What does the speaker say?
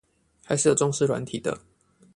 還是有重視軟體的